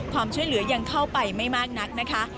ความช่วยเหลือยังเข้าไปไม่มากนักนะคะ